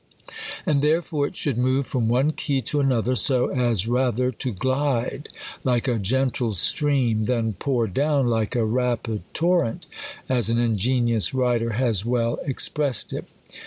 And therefore it should move ironi one key to another, so as rather to glide like a gentle stream, than pour down like a rapid torrent, as an ingenious "writer has well expressed it.